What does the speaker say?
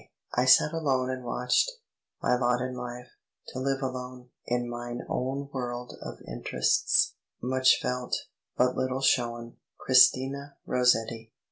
I sat alone and watched; My lot in life, to live alone, In mine own world of interests, Much felt, but little shown." CHRISTINA ROSSETTI.